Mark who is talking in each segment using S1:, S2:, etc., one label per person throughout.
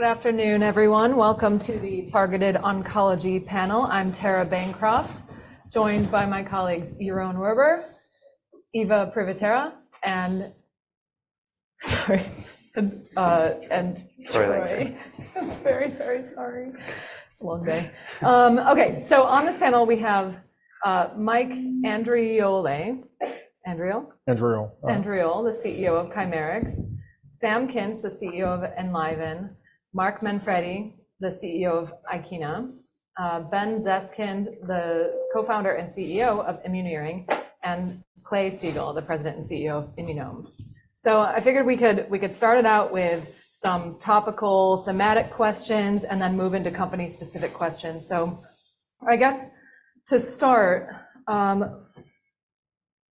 S1: Good afternoon, everyone. Welcome to the Targeted Oncology Panel. I'm Tara Bancroft, joined by my colleagues, Yaron Werber, Eva Privitera, and, sorry.
S2: Troy.
S1: Very, very sorry. It's a long day. Okay, so on this panel, we have Mike Andriole. Andriole?
S3: Andriole.
S1: Andriole, the CEO of Chimerix, Sam Kintz, the CEO of Enliven, Mark Manfredi, the CEO of Ikena, Ben Zeskind, the Co-Founder and CEO of Immuneering, and Clay Siegall, the President and CEO of Immunome. So I figured we could start it out with some topical thematic questions and then move into company-specific questions. So I guess to start,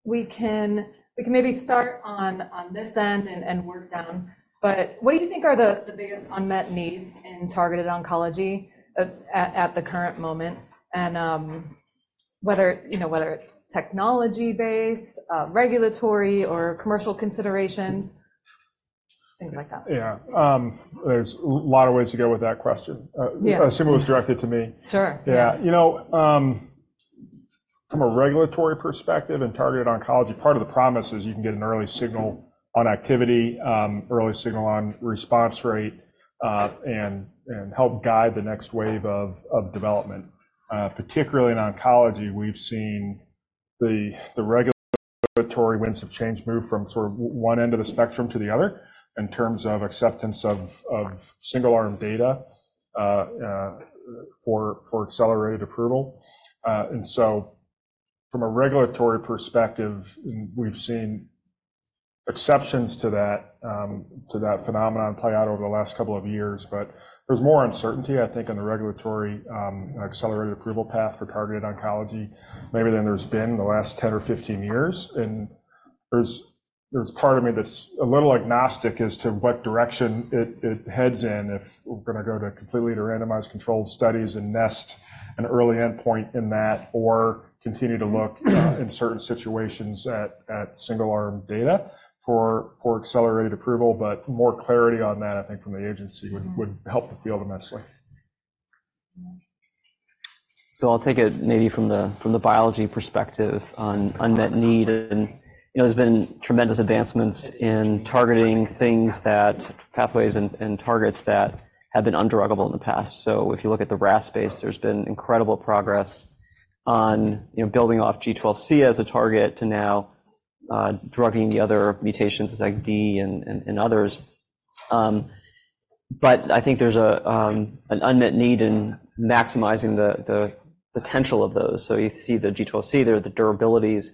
S1: we can maybe start on this end and work down. But what do you think are the biggest unmet needs in targeted oncology at the current moment? Whether, you know, whether it's technology-based, regulatory or commercial considerations, things like that.
S3: Yeah, there's a lot of ways to go with that question.
S1: Yeah.
S3: I assume it was directed to me.
S1: Sure.
S3: Yeah. You know, from a regulatory perspective in Targeted Oncology, part of the promise is you can get an early signal on activity, early signal on response rate, and help guide the next wave of development. Particularly in oncology, we've seen the regulatory winds of change move from sort of one end of the spectrum to the other in terms of acceptance of single-arm data for accelerated approval. And so from a regulatory perspective, we've seen exceptions to that phenomenon play out over the last couple of years. But there's more uncertainty, I think, on the regulatory accelerated approval path for Targeted Oncology, maybe than there's been in the last 10 or 15 years. And there's part of me that's a little agnostic as to what direction it heads in. If we're gonna go completely to randomized controlled studies and nest an early endpoint in that, or continue to look in certain situations at single-arm data for accelerated approval. But more clarity on that, I think, from the agency would help the field immensely.
S4: So I'll take it maybe from the biology perspective on unmet need. You know, there's been tremendous advancements in targeting pathways and targets that have been undruggable in the past. So if you look at the RAS space, there's been incredible progress on, you know, building off G12C as a target to now drugging the other mutations like G12D and others. But I think there's an unmet need in maximizing the potential of those. So you see the G12C there, the durability is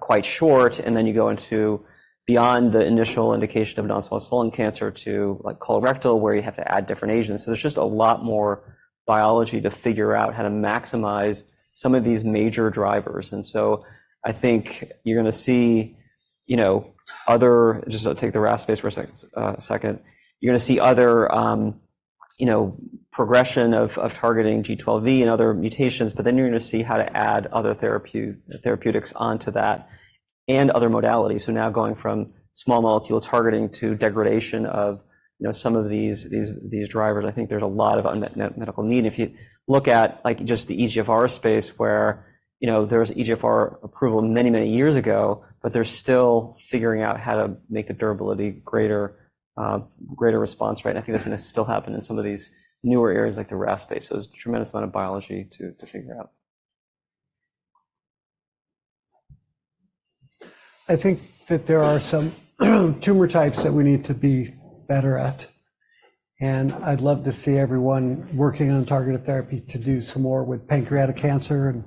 S4: quite short, and then you go beyond the initial indication of non-small cell lung cancer to, like, colorectal, where you have to add different agents. So there's just a lot more biology to figure out how to maximize some of these major drivers, and so I think you're gonna see, you know, other... Just take the RAS space for a sec, second. You're gonna see other, you know, progression of targeting G12V and other mutations, but then you're gonna see how to add other therapeutics onto that and other modalities. So now going from small molecule targeting to degradation of, you know, some of these drivers, I think there's a lot of unmet medical need. If you look at, like, just the EGFR space, where, you know, there was EGFR approval many, many years ago, but they're still figuring out how to make the durability greater, greater response rate. And I think that's gonna still happen in some of these newer areas like the RAS space. There's a tremendous amount of biology to, to figure out.
S5: I think that there are some tumor types that we need to be better at, and I'd love to see everyone working on targeted therapy to do some more with pancreatic cancer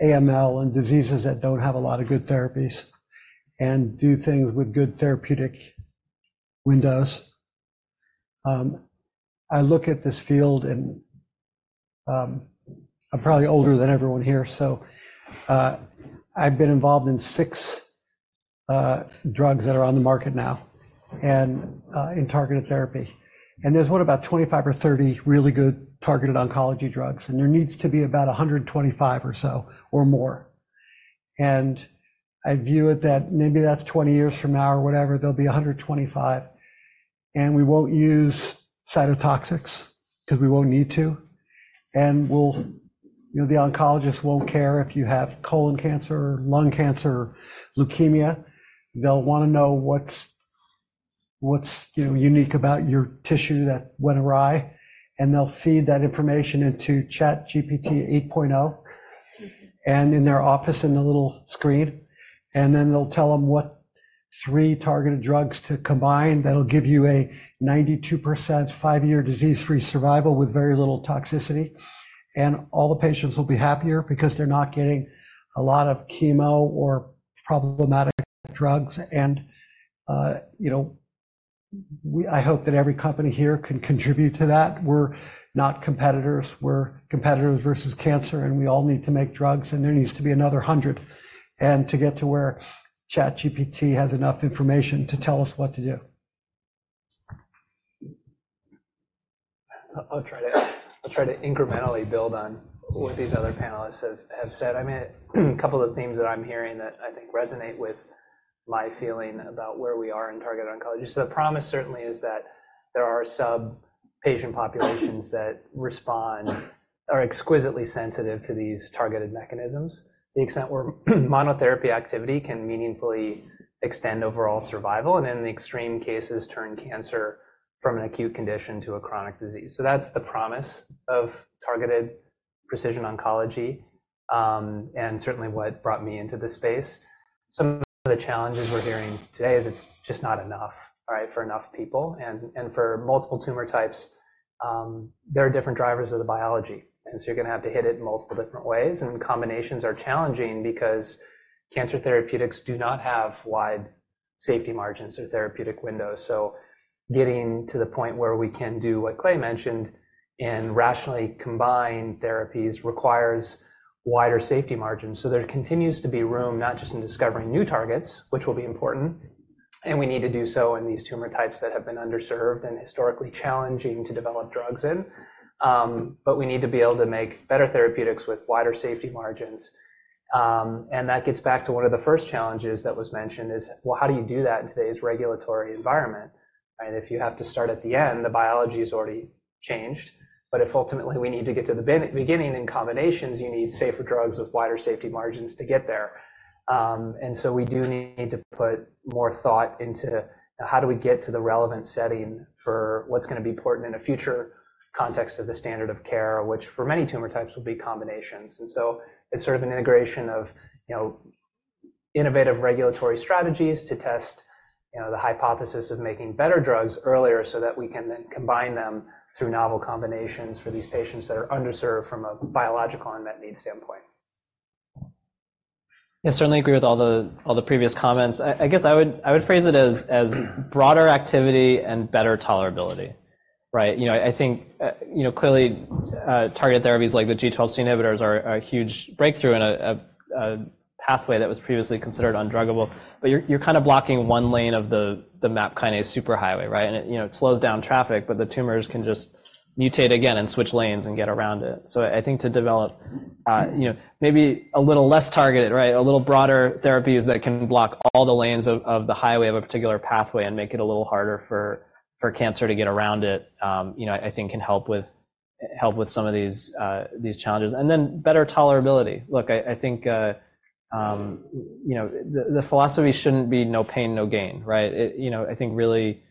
S5: and AML, and diseases that don't have a lot of good therapies, and do things with good therapeutic windows. I look at this field, and, I'm probably older than everyone here, so, I've been involved in six drugs that are on the market now and, in targeted therapy. And there's, what, about 25 or 30 really good Targeted oncology drugs, and there needs to be about 125 or so or more. And I view it that maybe that's 20 years from now, or whatever, there'll be 125, and we won't use cytotoxics because we won't need to. And we'll, you know, the oncologist won't care if you have colon cancer, lung cancer, leukemia. They'll wanna know what's, you know, unique about your tissue that went awry, and they'll feed that information into ChatGPT 8.0, and in their office in the little screen. And then they'll tell them what three targeted drugs to combine that'll give you a 92% five-year disease-free survival with very little toxicity. And all the patients will be happier because they're not getting a lot of chemo or problematic drugs. And, you know, we I hope that every company here can contribute to that. We're not competitors. We're competitors versus cancer, and we all need to make drugs, and there needs to be another 100, and to get to where ChatGPT has enough information to tell us what to do.
S6: I'll try to incrementally build on what these other panelists have said. I mean, a couple of themes that I'm hearing that I think resonate with my feeling about where we are in targeted oncology. So the promise certainly is that there are sub-patient populations that respond, are exquisitely sensitive to these targeted mechanisms, to the extent where monotherapy activity can meaningfully extend overall survival, and in the extreme cases, turn cancer from an acute condition to a chronic disease. So that's the promise of targeted precision oncology, and certainly what brought me into this space. Some of the challenges we're hearing today is it's just not enough, all right, for enough people, and for multiple tumor types. There are different drivers of the biology, and so you're gonna have to hit it in multiple different ways. Combinations are challenging because cancer therapeutics do not have wide safety margins or therapeutic windows. So getting to the point where we can do what Clay mentioned and rationally combine therapies requires wider safety margins. So there continues to be room, not just in discovering new targets, which will be important, and we need to do so in these tumor types that have been underserved and historically challenging to develop drugs in. But we need to be able to make better therapeutics with wider safety margins. And that gets back to one of the first challenges that was mentioned is: well, how do you do that in today's regulatory environment, right? If you have to start at the end, the biology has already changed. But if ultimately we need to get to the beginning in combinations, you need safer drugs with wider safety margins to get there. And so we do need to put more thought into how do we get to the relevant setting for what's gonna be important in a future context of the standard of care, which for many tumor types, will be combinations. And so it's sort of an integration of, you know, innovative regulatory strategies to test, you know, the hypothesis of making better drugs earlier, so that we can then combine them through novel combinations for these patients that are underserved from a biological unmet need standpoint.
S7: I certainly agree with all the previous comments. I guess I would phrase it as broader activity and better tolerability, right? You know, I think, you know, clearly, targeted therapies like the G12C inhibitors are a huge breakthrough in a pathway that was previously considered undruggable. But you're kind of blocking one lane of the MAP kinase superhighway, right? And it, you know, it slows down traffic, but the tumors can just mutate again and switch lanes and get around it. So I think to develop, you know, maybe a little less targeted, right, a little broader therapies that can block all the lanes of the highway of a particular pathway and make it a little harder for cancer to get around it, you know, I think can help with some of these challenges. And then better tolerability. Look, I think, you know, the philosophy shouldn't be no pain, no gain, right? You know, I think really,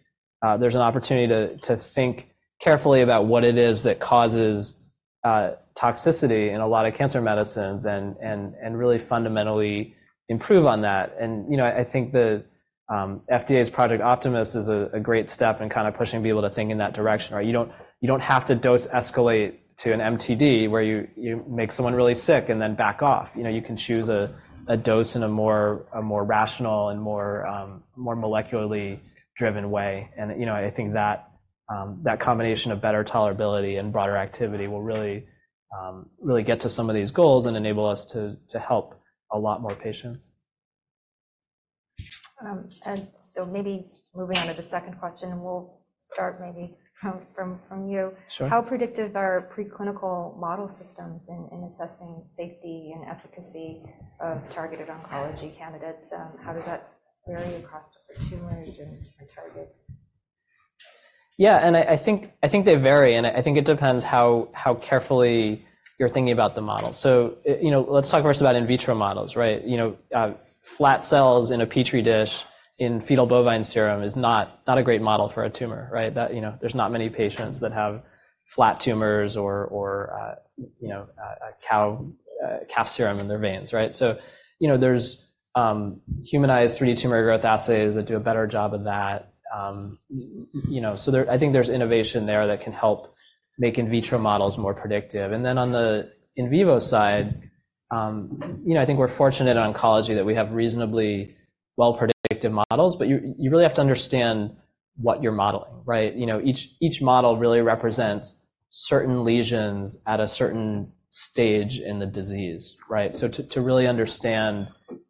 S7: there's an opportunity to think carefully about what it is that causes toxicity in a lot of cancer medicines and really fundamentally improve on that. And, you know, I think the FDA's Project Optimus is a great step in kind of pushing people to think in that direction. Or you don't, you don't have to dose escalate to an MTD, where you, you make someone really sick and then back off. You know, you can choose a, a dose in a more, a more rational and more, more molecularly driven way. And, you know, I think that, that combination of better tolerability and broader activity will really, really get to some of these goals and enable us to, to help a lot more patients.
S8: And so maybe moving on to the second question, and we'll start maybe from you.
S7: Sure.
S8: How predictive are preclinical model systems in assessing safety and efficacy of targeted oncology candidates, and how does that vary across different tumors and different targets?
S7: Yeah, and I think they vary, and I think it depends how carefully you're thinking about the model. So, you know, let's talk first about in vitro models, right? You know, flat cells in a petri dish in fetal bovine serum is not a great model for a tumor, right? That, you know, there's not many patients that have flat tumors or, you know, a cow, calf serum in their veins, right? So, you know, there's humanized 3D tumor growth assays that do a better job of that. You know, so there, I think there's innovation there that can help make in vitro models more predictive. And then on the in vivo side, you know, I think we're fortunate in oncology that we have reasonably well-predictive models, but you really have to understand what you're modeling, right? You know, each model really represents certain lesions at a certain stage in the disease, right? So to really understand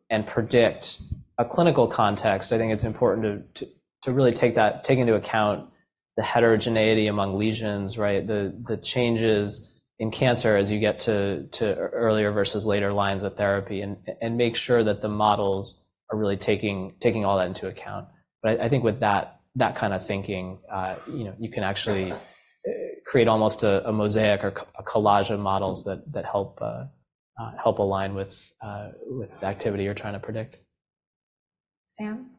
S7: and predict a clinical context, I think it's important to really take that into account the heterogeneity among lesions, right? The changes in cancer as you get to earlier versus later lines of therapy, and make sure that the models are really taking all that into account. But I think with that kind of thinking, you know, you can actually create almost a mosaic or a collage of models that help align with the activity you're trying to predict.
S8: Sam?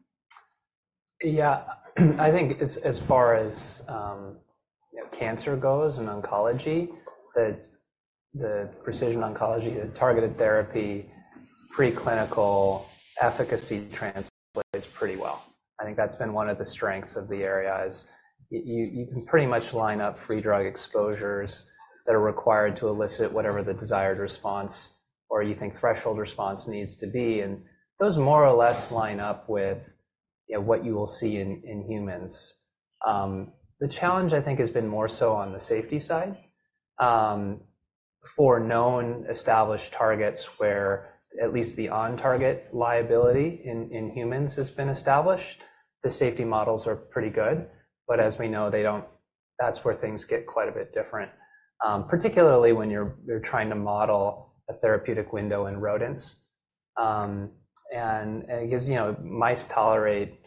S6: Yeah. I think as far as you know, cancer goes in oncology, that the precision oncology, the targeted therapy, preclinical efficacy translates pretty well. I think that's been one of the strengths of the area is you can pretty much line up free drug exposures that are required to elicit whatever the desired response or you think threshold response needs to be, and those more or less line up with you know, what you will see in humans. The challenge I think has been more so on the safety side. For known established targets where at least the on-target liability in humans has been established, the safety models are pretty good. But as we know, they don't. That's where things get quite a bit different, particularly when you're trying to model a therapeutic window in rodents. Because, you know, mice tolerate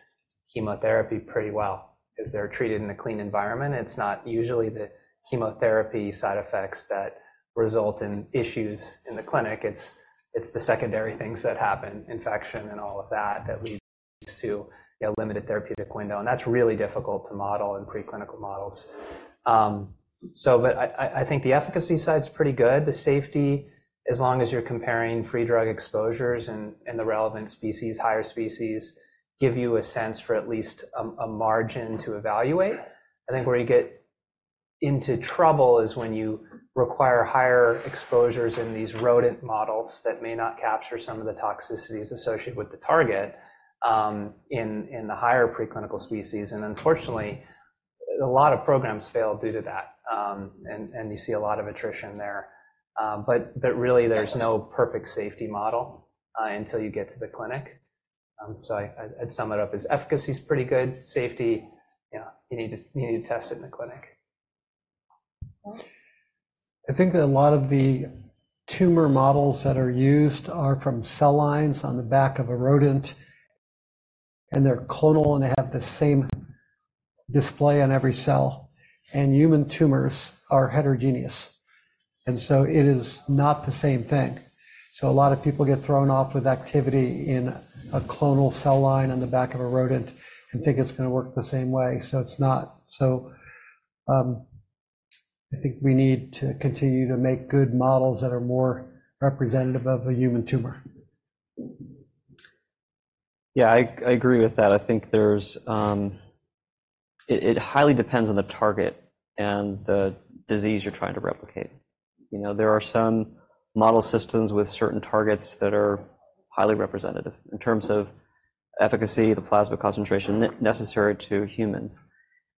S6: chemotherapy pretty well because they're treated in a clean environment. It's not usually the chemotherapy side effects that result in issues in the clinic, it's the secondary things that happen, infection and all of that, that leads to, you know, limited therapeutic window, and that's really difficult to model in preclinical models. But I think the efficacy side is pretty good. The safety, as long as you're comparing free drug exposures in the relevant species, higher species, give you a sense for at least a margin to evaluate. I think where you get into trouble is when you require higher exposures in these rodent models that may not capture some of the toxicities associated with the target, in the higher preclinical species. And unfortunately, a lot of programs fail due to that. And you see a lot of attrition there. But really, there's no perfect safety model until you get to the clinic. So I'd sum it up as efficacy is pretty good. Safety, yeah, you need to test it in the clinic.
S5: I think that a lot of the tumor models that are used are from cell lines on the back of a rodent, and they're clonal, and they have the same display on every cell, and human tumors are heterogeneous, and so it is not the same thing. So a lot of people get thrown off with activity in a clonal cell line on the back of a rodent and think it's gonna work the same way, so it's not. So, I think we need to continue to make good models that are more representative of a human tumor.
S4: Yeah, I agree with that. I think there's... It highly depends on the target and the disease you're trying to replicate. You know, there are some model systems with certain targets that are highly representative in terms of efficacy, the plasma concentration necessary to humans.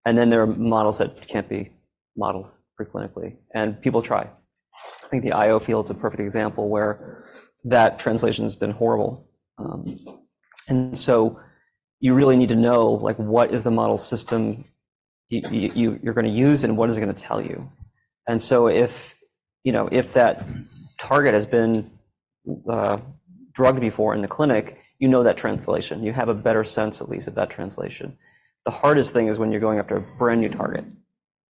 S4: And then, there are models that can't be modeled preclinically, and people try. I think the IO field is a perfect example where that translation's been horrible. And so you really need to know, like, what is the model system you're gonna use, and what is it gonna tell you? And so if, you know, if that target has been drugged before in the clinic, you know that translation. You have a better sense, at least, of that translation. The hardest thing is when you're going after a brand-new target.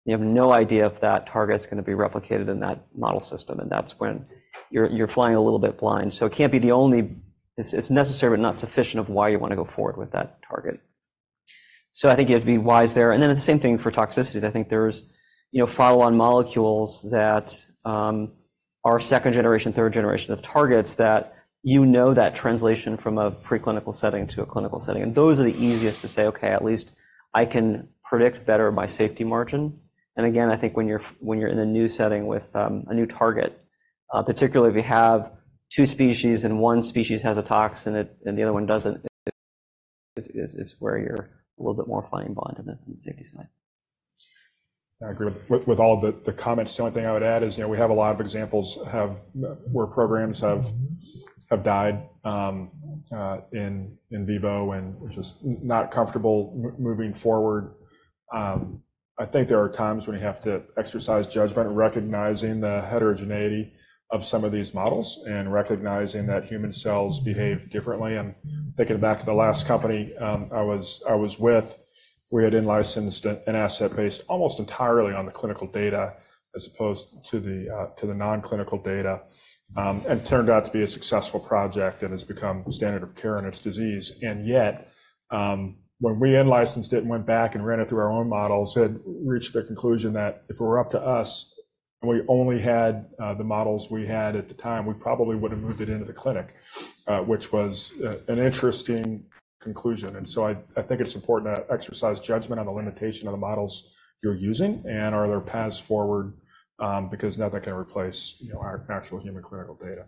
S4: You have no idea if that target's gonna be replicated in that model system, and that's when you're flying a little bit blind. So it can't be the only. It's necessary but not sufficient of why you want to go forward with that target. So I think you have to be wise there. And then, the same thing for toxicities. I think there's, you know, follow-on molecules that are second generation, third generation of targets that you know that translation from a preclinical setting to a clinical setting, and those are the easiest to say, "Okay, at least I can predict better my safety margin." And again, I think when you're in a new setting with a new target, particularly if you have two species and one species has a toxin and it and the other one doesn't, it's where you're a little bit more flying blind on the safety side.
S3: I agree with all the comments. The only thing I would add is, you know, we have a lot of examples where programs have died in vivo, and we're just not comfortable moving forward. I think there are times when you have to exercise judgment, recognizing the heterogeneity of some of these models and recognizing that human cells behave differently. And thinking back to the last company I was with, we had in-licensed an asset based almost entirely on the clinical data as opposed to the non-clinical data. And it turned out to be a successful project and has become standard of care in its disease. Yet, when we in-licensed it and went back and ran it through our own models, had reached the conclusion that if it were up to us and we only had the models we had at the time, we probably would have moved it into the clinic, which was an interesting conclusion. So I think it's important to exercise judgment on the limitation of the models you're using and are there paths forward, because nothing can replace, you know, our actual human clinical data.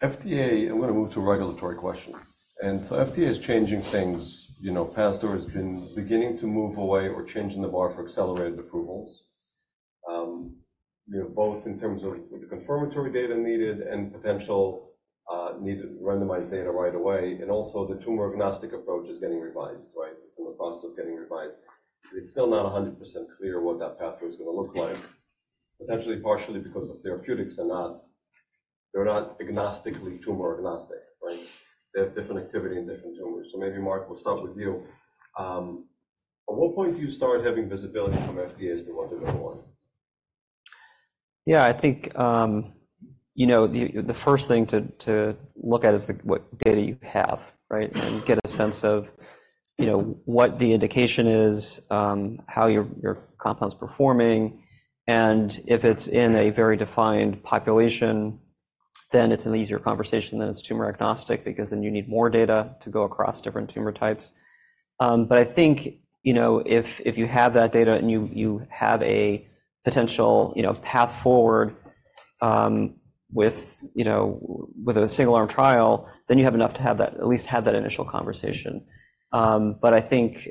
S6: FDA, I'm gonna move to a regulatory question. So FDA is changing things, you know, faster or has been beginning to move away or changing the bar for accelerated approvals. You know, both in terms of the confirmatory data needed and potential needed randomized data right away, and also the tumor-agnostic approach is getting revised, right? It's in the process of getting revised. It's still not 100% clear what that pathway is gonna look like, potentially partially because the therapeutics are not, they're not agnostically tumor-agnostic, right? They have different activity in different tumors. So maybe, Mark, we'll start with you. At what point do you start having visibility from FDA as to what they want?
S4: Yeah, I think, you know, the first thing to look at is what data you have, right? You get a sense of, you know, what the indication is, how your compound's performing, and if it's in a very defined population, then it's an easier conversation than it's tumor-agnostic, because then you need more data to go across different tumor types. But I think, you know, if you have that data and you have a potential, you know, path forward with, you know, with a single-arm trial, then you have enough to have that, at least have that initial conversation. But I think,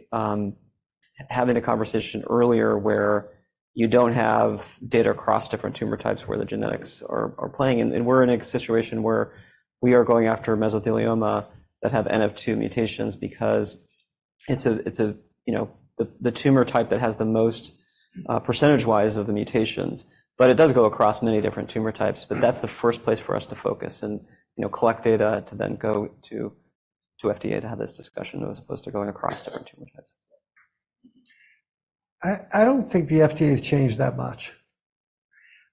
S4: having the conversation earlier where you don't have data across different tumor types where the genetics are playing, and we're in a situation where we are going after mesothelioma that have NF2 mutations because it's a, you know, the tumor type that has the most, percentage-wise of the mutations, but it does go across many different tumor types. But that's the first place for us to focus and, you know, collect data to then go to, to FDA to have this discussion, as opposed to going across different tumor types.
S5: I don't think the FDA has changed that much.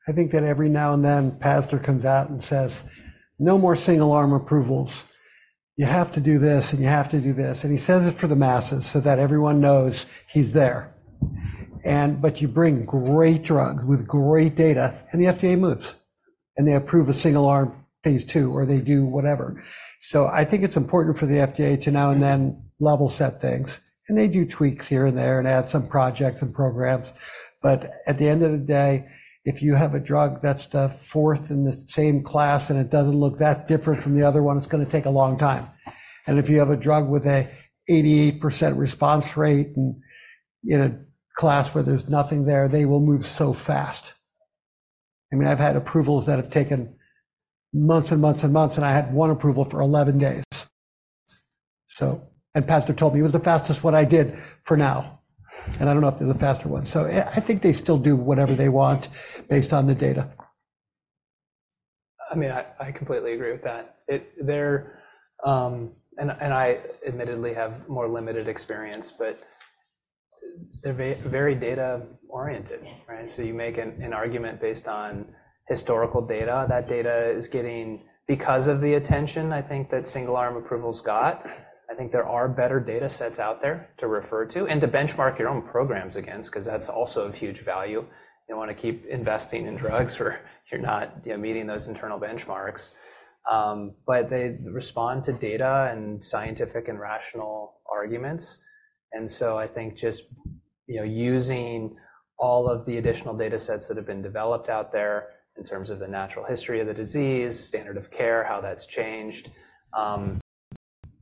S5: I think that every now and then, Pazdur comes out and says, "No more single-arm approvals. You have to do this, and you have to do this." And he says it for the masses so that everyone knows he's there, and but you bring great drugs with great data, and the FDA moves, and they approve a single-arm phase II, or they do whatever. So I think it's important for the FDA to now and then level set things, and they do tweaks here and there and add some projects and programs. But at the end of the day, if you have a drug that's the fourth in the same class, and it doesn't look that different from the other one, it's gonna take a long time, and if you have a drug with an 88% response rate and in a class where there's nothing there, they will move so fast. I mean, I've had approvals that have taken months and months and months, and I had one approval for 11 days. So, and Pazdur told me it was the fastest one I did for now, and I don't know if there's a faster one. So I, I think they still do whatever they want based on the data.
S6: I mean, I completely agree with that. I admittedly have more limited experience, but they're very data oriented, right? So you make an argument based on historical data. That data is getting because of the attention, I think, that single arm approvals got. I think there are better data sets out there to refer to and to benchmark your own programs against, 'cause that's also of huge value. You don't want to keep investing in drugs where you're not, you know, meeting those internal benchmarks. But they respond to data and scientific and rational arguments, and so I think just, you know, using all of the additional data sets that have been developed out there in terms of the natural history of the disease, standard of care, how that's changed.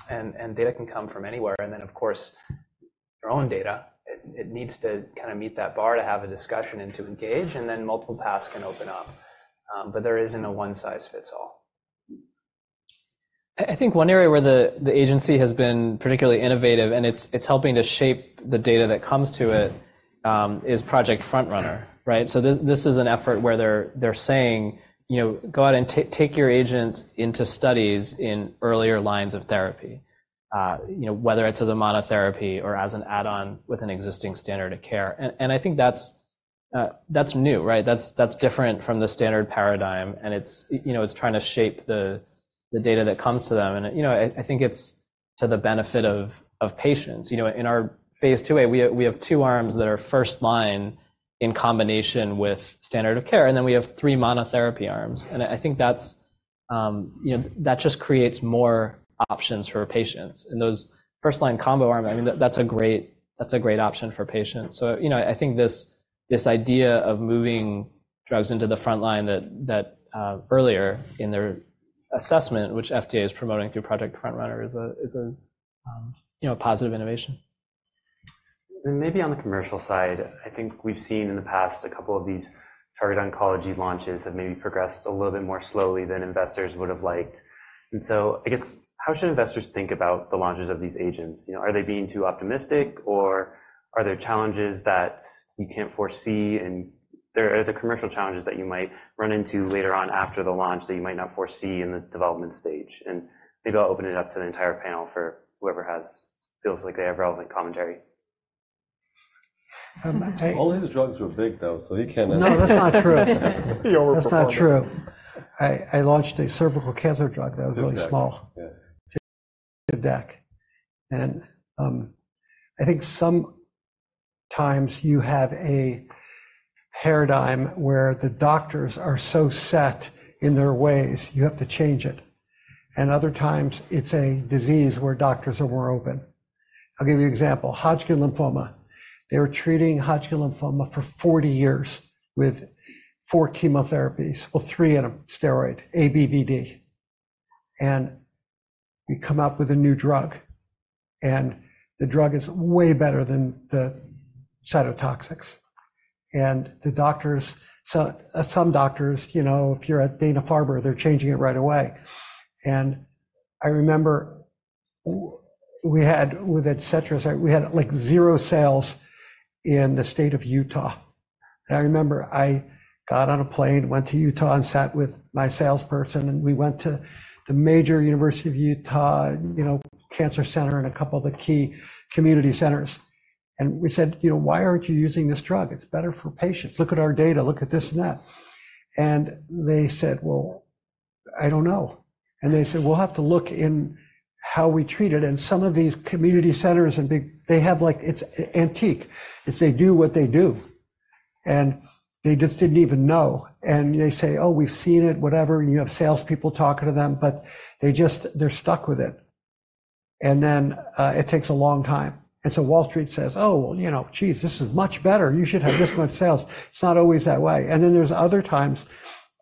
S6: And data can come from anywhere, and then, of course, your own data. It needs to kinda meet that bar to have a discussion and to engage, and then multiple paths can open up. But there isn't a one-size-fits-all.
S4: I think one area where the agency has been particularly innovative, and it's helping to shape the data that comes to it, is Project FrontRunner, right? So this is an effort where they're saying, you know, "Go out and take your agents into studies in earlier lines of therapy," you know, whether it's as a monotherapy or as an add-on with an existing standard of care. And I think that's new, right? That's different from the standard paradigm, and it's you know, it's trying to shape the data that comes to them. And you know, I think it's to the benefit of patients. You know, in our phase II-A, we have two arms that are first line in combination with standard of care, and then we have three monotherapy arms. I think that's, you know, that just creates more options for patients. Those first-line combo arm, I mean, that's a great, that's a great option for patients. So, you know, I think this, this idea of moving drugs into the front line earlier in their assessment, which FDA is promoting through Project FrontRunner, is a, you know, a positive innovation.
S7: And maybe on the commercial side, I think we've seen in the past a couple of these Targeted Oncology launches have maybe progressed a little bit more slowly than investors would have liked. And so I guess, how should investors think about the launches of these agents? You know, are they being too optimistic, or are there challenges that you can't foresee? Are there commercial challenges that you might run into later on after the launch, that you might not foresee in the development stage? And maybe I'll open it up to the entire panel for whoever feels like they have relevant commentary.
S3: All his drugs were big, though, so he cannot-
S5: No, that's not true.
S6: He overperformed.
S5: That's not true. I launched a cervical cancer drug that was really small. Tivdak. And, I think sometimes you have a paradigm where the doctors are so set in their ways, you have to change it, and other times it's a disease where doctors are more open. I'll give you an example. Hodgkin lymphoma. They were treating Hodgkin lymphoma for 40 years with four chemotherapies, well, three and a steroid, ABVD. And you come out with a new drug, and the drug is way better than the cytotoxics. And the doctors, so, some doctors, you know, if you're at Dana-Farber, they're changing it right away. And I remember we had, with Adcetris, we had, like, zero sales in the state of Utah. I remember I got on a plane, went to Utah, and sat with my salesperson, and we went to the major University of Utah, you know, cancer center and a couple of the key community centers. And we said, "You know, why aren't you using this drug? It's better for patients. Look at our data, look at this and that." And they said: "Well, I don't know." And they said: "We'll have to look in how we treat it." And some of these community centers and big ones, they have, like, it's an antique. They do what they do. And they just didn't even know, and they say, "Oh, we've seen it," whatever, and you have salespeople talking to them, but they just, they're stuck with it... and then, it takes a long time. And so Wall Street says: "Oh, well, you know, geez, this is much better. You should have this much sales." It's not always that way. And then there's other times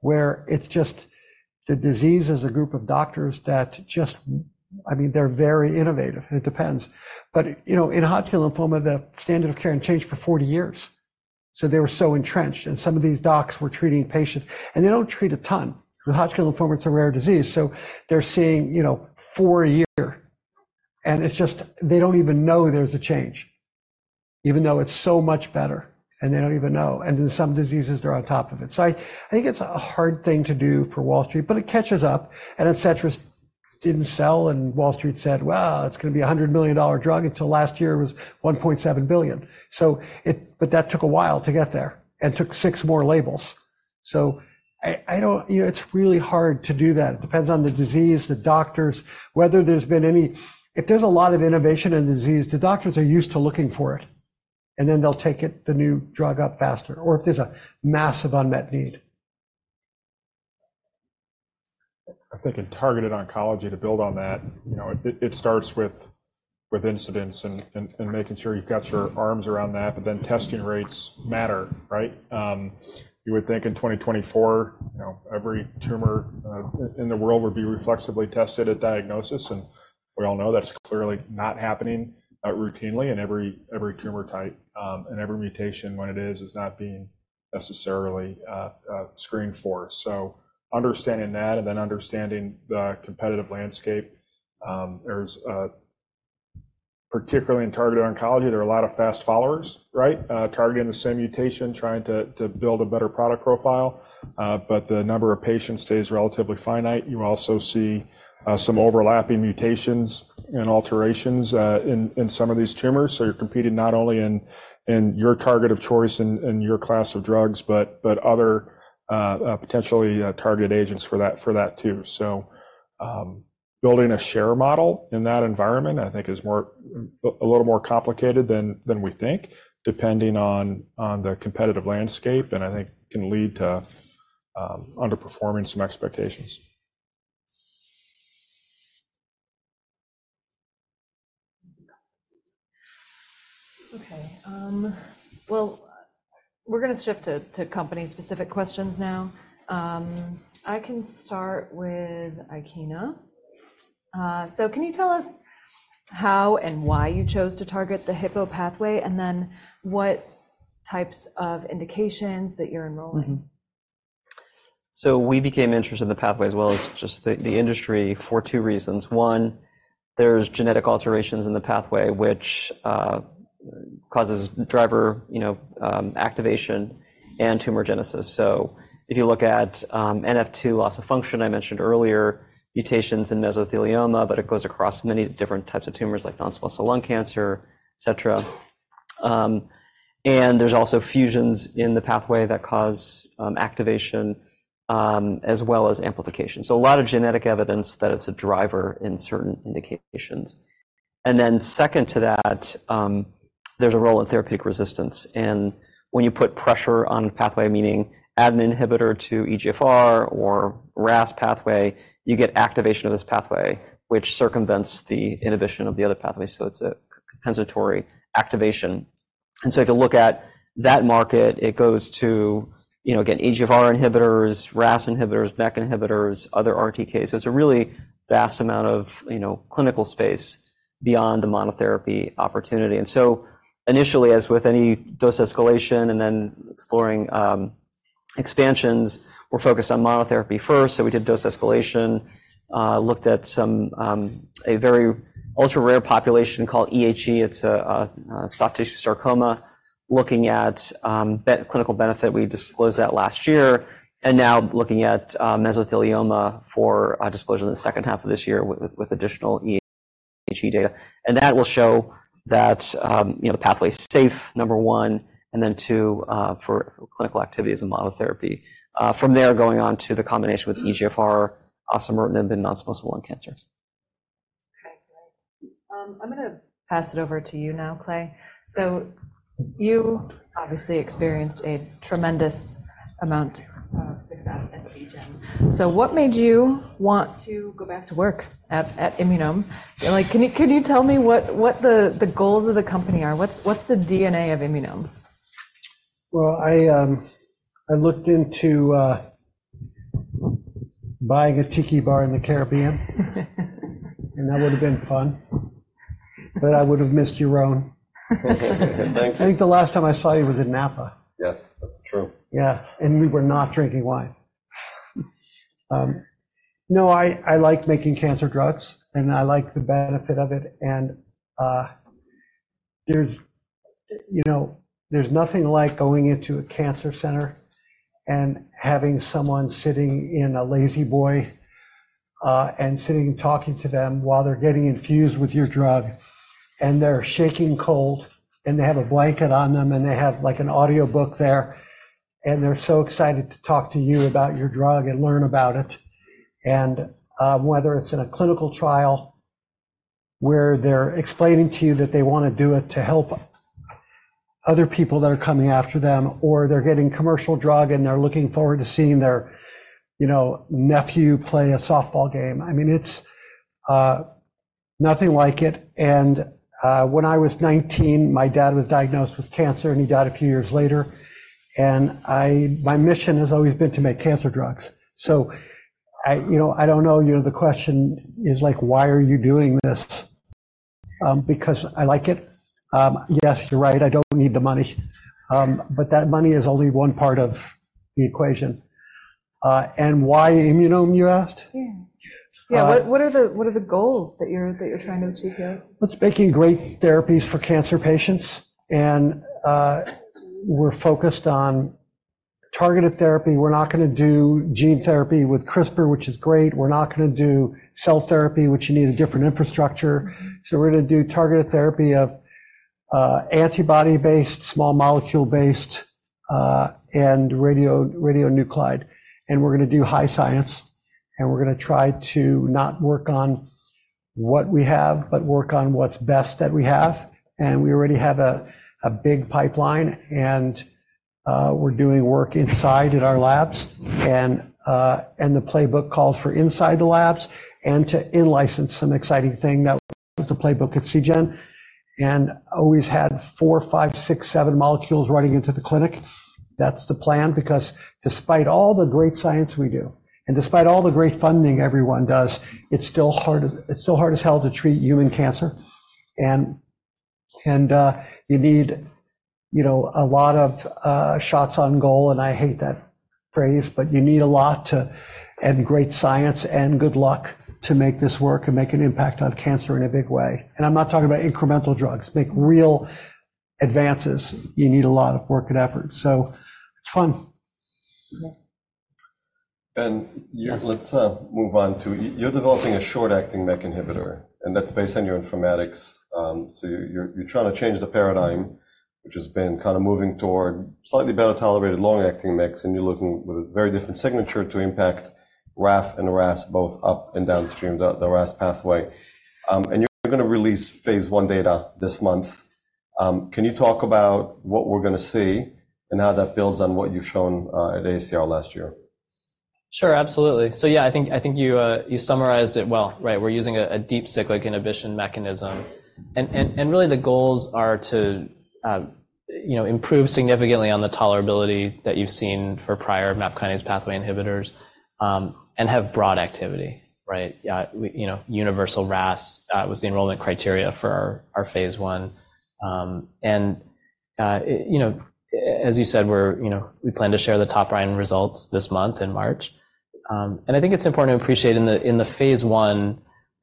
S5: where it's just the disease is a group of doctors that just, I mean, they're very innovative, and it depends. You know, in Hodgkin lymphoma, the standard of care hadn't changed for 40 years, so they were so entrenched, and some of these docs were treating patients. They don't treat a ton. Hodgkin lymphoma, it's a rare disease, so they're seeing, you know, four, a year, and it's just, they don't even know there's a change, even though it's so much better, and they don't even know. In some diseases, they're on top of it. I, I think it's a hard thing to do for Wall Street, but it catches up, and if Adcetris didn't sell and Wall Street said, "Well, it's gonna be a $100 million drug," until last year, it was $1.7 billion. So it, but that took a while to get there and took six more labels. So I, I don't. You know, it's really hard to do that. It depends on the disease, the doctors. If there's a lot of innovation in the disease, the doctors are used to looking for it, and then they'll take it, the new drug, up faster, or if there's a massive unmet need.
S3: I think in Targeted Oncology, to build on that, you know, it starts with incidents and making sure you've got your arms around that, but then testing rates matter, right? You would think in 2024, you know, every tumor in the world would be reflexively tested at diagnosis, and we all know that's clearly not happening routinely in every tumor type. And every mutation, when it is, is not being necessarily screened for. So understanding that and then understanding the competitive landscape, there's particularly in targeted oncology, there are a lot of fast followers, right? Targeting the same mutation, trying to build a better product profile, but the number of patients stays relatively finite. You also see some overlapping mutations and alterations in some of these tumors. You're competing not only in your target of choice and in your class of drugs, but other potentially target agents for that too. So, building a share model in that environment, I think is more a little more complicated than we think, depending on the competitive landscape, and I think can lead to underperforming some expectations.
S1: Okay, well, we're gonna shift to company-specific questions now. I can start with Ikena. So can you tell us how and why you chose to target the Hippo pathway, and then what types of indications that you're enrolling?
S4: So we became interested in the pathway, as well as just the industry, for two reasons. One, there's genetic alterations in the pathway, which causes driver, you know, activation and tumorigenesis. So if you look at NF2 loss of function, I mentioned earlier, mutations in mesothelioma, but it goes across many different types of tumors, like non-small cell lung cancer, et cetera. And there's also fusions in the pathway that cause activation, as well as amplification. So a lot of genetic evidence that it's a driver in certain indications. And then second to that, there's a role in therapeutic resistance, and when you put pressure on a pathway, meaning add an inhibitor to EGFR or RAS pathway, you get activation of this pathway, which circumvents the inhibition of the other pathway, so it's a compensatory activation. So if you look at that market, it goes to, you know, again, EGFR inhibitors, RAS inhibitors, MEK inhibitors, other RTKs. So it's a really vast amount of, you know, clinical space beyond the monotherapy opportunity. And so initially, as with any dose escalation and then exploring expansions, we're focused on monotherapy first, so we did dose escalation, looked at some a very ultra-rare population called EHE. It's a soft tissue sarcoma, looking at clinical benefit. We disclosed that last year and now looking at mesothelioma for disclosure in the second half of this year with additional EHE data. And that will show that, you know, the pathway's safe, number one, and then two, for clinical activity as a monotherapy. From there, going on to the combination with EGFR, osimertinib in non-small cell lung cancers.
S1: Okay, great. I'm gonna pass it over to you now, Clay. So you obviously experienced a tremendous amount of success at Seagen. So what made you want to go back to work at Immunome? And, like, can you tell me what the goals of the company are? What's the DNA of Immunome?
S5: Well, I looked into buying a tiki bar in the Caribbean. That would've been fun, but I would have missed you, Roan.
S3: Thank you.
S5: I think the last time I saw you was in Napa.
S3: Yes, that's true.
S5: Yeah, and we were not drinking wine. No, I like making cancer drugs, and I like the benefit of it, and there's, you know, there's nothing like going into a cancer center and having someone sitting in a La-Z-Boy, and sitting, talking to them while they're getting infused with your drug, and they're shaking cold, and they have a blanket on them, and they have, like, an audiobook there, and they're so excited to talk to you about your drug and learn about it. And whether it's in a clinical trial where they're explaining to you that they wanna do it to help other people that are coming after them, or they're getting commercial drug, and they're looking forward to seeing their, you know, nephew play a softball game. I mean, it's nothing like it, and when I was 19, my dad was diagnosed with cancer, and he died a few years later, and I, my mission has always been to make cancer drugs. So I, you know, I don't know. You know, the question is like, why are you doing this? Because I like it. Yes, you're right. I don't need the money. But that money is only one part of the equation. And why Immunome, you asked?
S1: Yeah. Yeah, what are the goals that you're trying to achieve here?
S5: It's making great therapies for cancer patients, and we're focused on targeted therapy. We're not gonna do gene therapy with CRISPR, which is great. We're not gonna do cell therapy, which you need a different infrastructure. So we're gonna do targeted therapy of antibody-based, small molecule-based, and radio, radionuclide. And we're gonna do high science, and we're gonna try to not work on what we have, but work on what's best that we have. And we already have a big pipeline, and we're doing work inside in our labs, and the playbook calls for inside the labs and to in-license an exciting thing. That was the playbook at Seagen, and always had four, five, six, seven molecules running into the clinic. That's the plan because despite all the great science we do, and despite all the great funding everyone does, it's still hard, it's still hard as hell to treat human cancer. And, and, you need, you know, a lot of, shots on goal, and I hate that phrase, but you need a lot to... and great science and good luck to make this work and make an impact on cancer in a big way. And I'm not talking about incremental drugs. Make real advances, you need a lot of work and effort, so it's fun.
S2: Let's move on to... You're developing a short-acting MEK inhibitor, and that's based on your informatics. So you're trying to change the paradigm, which has been kind of moving toward slightly better tolerated, long-acting MEKs, and you're looking with a very different signature to impact RAF and RAS, both up and downstream, the RAS pathway. And you're gonna release phase I data this month. Can you talk about what we're gonna see and how that builds on what you've shown at AACR last year?
S7: Sure, absolutely. So yeah, I think you summarized it well. Right, we're using a Deep Cyclic Inhibition mechanism. And really the goals are to, you know, improve significantly on the tolerability that you've seen for prior MAP kinase pathway inhibitors, and have broad activity, right? You know, universal RAS was the enrollment criteria for our phase I. And, you know, as you said, we're, you know, we plan to share the top-line results this month in March. And I think it's important to appreciate in the phase I,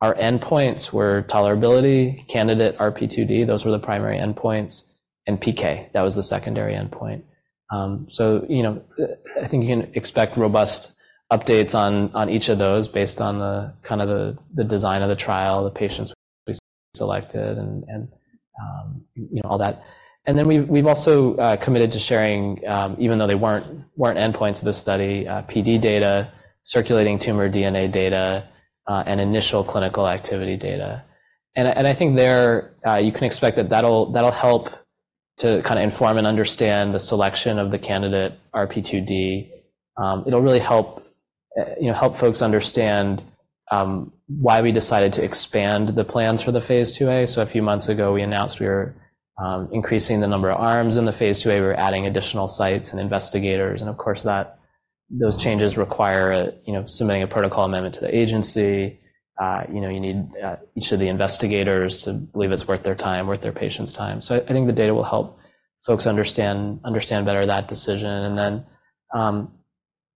S7: our endpoints were tolerability, candidate RP2D, those were the primary endpoints, and PK, that was the secondary endpoint. So, you know, I think you can expect robust updates on each of those based on the kind of design of the trial, the patients selected, and, you know, all that. And then we've also committed to sharing, even though they weren't endpoints of the study, PD data, circulating tumor DNA data, and initial clinical activity data. And I think you can expect that that'll help to kinda inform and understand the selection of the candidate RP2D. It'll really help, you know, help folks understand why we decided to expand the plans for the phase II-A. So a few months ago, we announced we were increasing the number of arms in the phase II-A. We're adding additional sites and investigators, and of course, those changes require, you know, submitting a protocol amendment to the agency. You know, you need each of the investigators to believe it's worth their time, worth their patients' time. So I think the data will help folks understand, understand better that decision, and then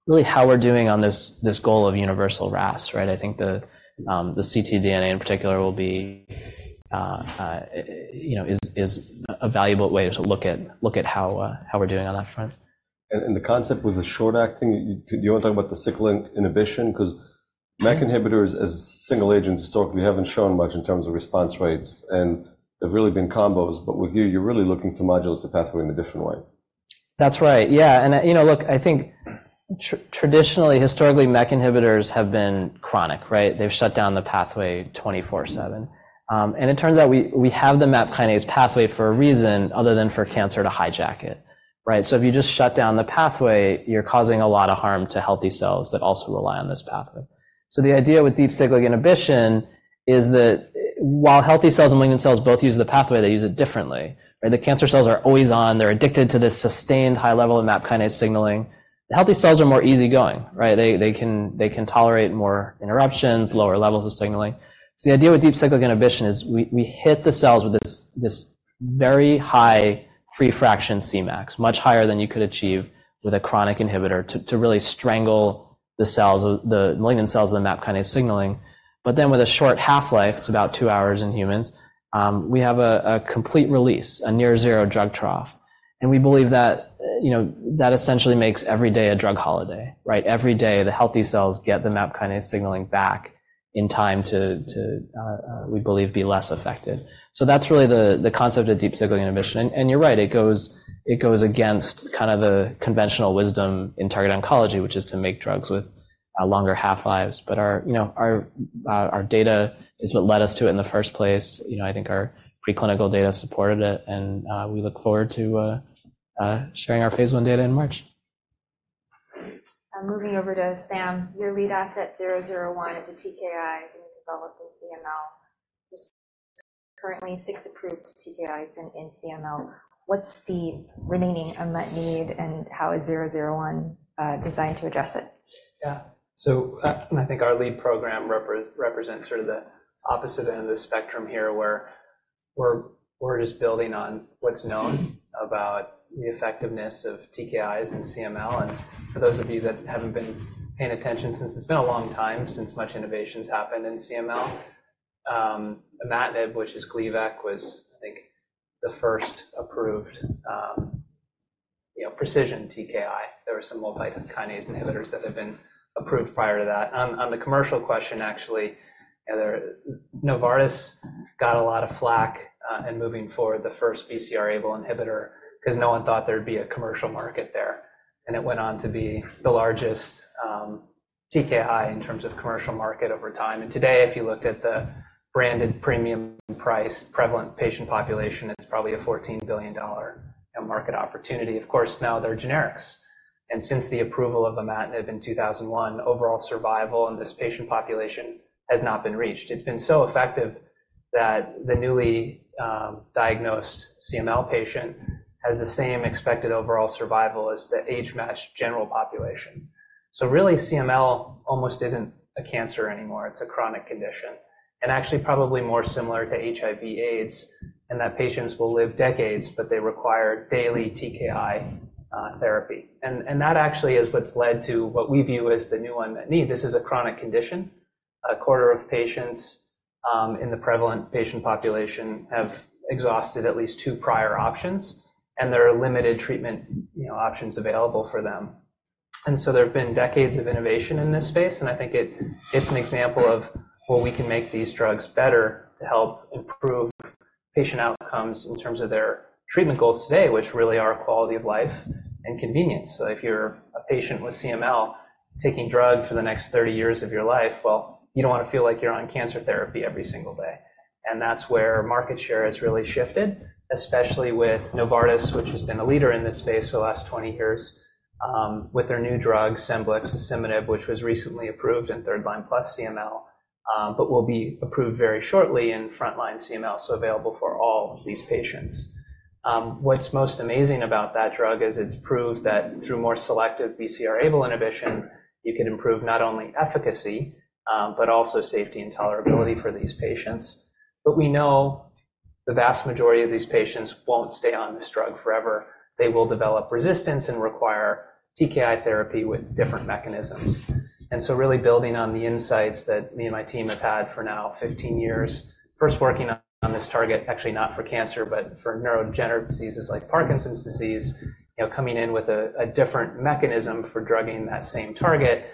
S7: really how we're doing on this, this goal of universal RAS, right? I think the ctDNA in particular will be, you know, is, is a valuable way to look at, look at how we're doing on that front.
S2: And the concept with the short acting, you want to talk about the cyclic inhibition? Because MEK inhibitors as single agents historically haven't shown much in terms of response rates, and they've really been combos. But with you, you're really looking to modulate the pathway in a different way.
S7: That's right. Yeah, and, you know, look, I think traditionally, historically, MEK inhibitors have been chronic, right? They've shut down the pathway 24/7. And it turns out we have the MAP kinase pathway for a reason other than for cancer to hijack it, right? So if you just shut down the pathway, you're causing a lot of harm to healthy cells that also rely on this pathway. So the idea with Deep Cyclic Inhibition is that while healthy cells and malignant cells both use the pathway, they use it differently. Right, the cancer cells are always on. They're addicted to this sustained high level of MAP kinase signaling. The healthy cells are more easygoing, right? They can tolerate more interruptions, lower levels of signaling. So the idea with Deep Cyclic Inhibition is we hit the cells with this very high free fraction Cmax, much higher than you could achieve with a chronic inhibitor, to really strangle the cells, the malignant cells in the MAP kinase signaling. But then with a short half-life, it's about two hours in humans, we have a complete release, a near zero drug trough. And we believe that, you know, that essentially makes every day a drug holiday, right? Every day, the healthy cells get the MAP kinase signaling back in time to, we believe, be less affected. So that's really the concept of Deep Cyclic Inhibition. And you're right, it goes against kind of the conventional wisdom in target oncology, which is to make drugs with a longer half-lives, but our, you know, our data is what led us to it in the first place. You know, I think our preclinical data supported it, and we look forward to sharing our phase I data in March.
S1: Moving over to Sam, your lead asset, ELVN-001, is a TKI being developed in CML. There's currently six approved TKIs in CML. What's the remaining unmet need, and how is ELVN-001 designed to address it?
S6: Yeah. So, I think our lead program represents sort of the opposite end of the spectrum here, where we're just building on what's known about the effectiveness of TKIs in CML. And for those of you that haven't been paying attention since, it's been a long time since much innovation has happened in CML. Imatinib, which is Gleevec, was, I think, the first approved, you know, precision TKI. There were some multi-kinase inhibitors that have been approved prior to that. On the commercial question, actually, Novartis got a lot of flack in moving forward the first BCR-ABL inhibitor, 'cause no one thought there'd be a commercial market there, and it went on to be the largest TKI in terms of commercial market over time. Today, if you looked at the branded premium price prevalent patient population, it's probably a $14 billion end market opportunity. Of course, now they're generics, and since the approval of imatinib in 2001, overall survival in this patient population has not been reached. It's been so effective that the newly diagnosed CML patient has the same expected overall survival as the age-matched general population. So really, CML almost isn't a cancer anymore. It's a chronic condition, and actually probably more similar to HIV/AIDS, in that patients will live decades, but they require daily TKI therapy. And that actually is what's led to what we view as the new unmet need. This is a chronic condition. A quarter of patients in the prevalent patient population have exhausted at least two prior options, and there are limited treatment, you know, options available for them. So there have been decades of innovation in this space, and I think it's an example of where we can make these drugs better to help improve patient outcomes in terms of their treatment goals today, which really are quality of life and convenience. So if you're a patient with CML, taking drug for the next 30 years of your life, well, you don't want to feel like you're on cancer therapy every single day. And that's where market share has really shifted, especially with Novartis, which has been a leader in this space for the last 20 years, with their new drug, Scemblix, asciminib, which was recently approved in third line plus CML, but will be approved very shortly in frontline CML, so available for all these patients. What's most amazing about that drug is it's proved that through more selective BCR-ABL inhibition, you can improve not only efficacy, but also safety and tolerability for these patients. But we know the vast majority of these patients won't stay on this drug forever. They will develop resistance and require TKI therapy with different mechanisms. So really building on the insights that me and my team have had for now 15 years, first working on this target, actually not for cancer, but for neurodegenerative diseases like Parkinson's disease, you know, coming in with a different mechanism for drugging that same target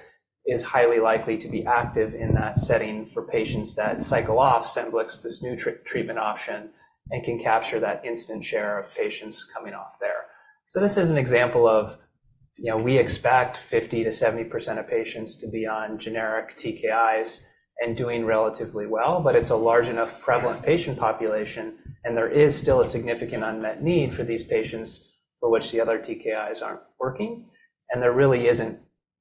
S6: is highly likely to be active in that setting for patients that cycle off Scemblix, this new treatment option, and can capture that instant share of patients coming off there. So this is an example of, you know, we expect 50%-70% of patients to be on generic TKIs and doing relatively well, but it's a large enough prevalent patient population, and there is still a significant unmet need for these patients for which the other TKIs aren't working. There really isn't